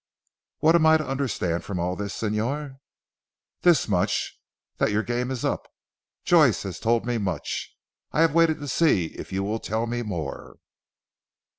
"What am I to understood from all this Señor?" "This much. That your game is up. Joyce has told me much; I have waited to see if you will tell me more."